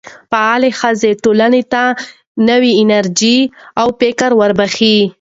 فعاله ښځې ټولنې ته نوې انرژي او فکر وربخښي.